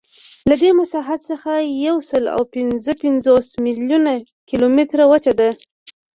له دې مساحت څخه یوسلاوهپینځهپنځوس میلیونه کیلومتره وچه ده.